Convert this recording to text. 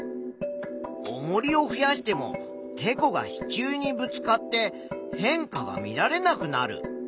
おもりを増やしてもてこが支柱にぶつかって変化が見られなくなる。